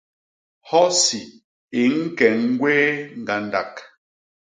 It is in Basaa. Hosi i ñke ñgwéé ñgandak.